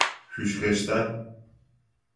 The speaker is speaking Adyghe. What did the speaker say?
Шъущхэщта?